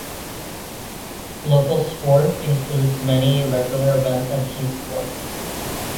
Local sport includes many regular events and team sports.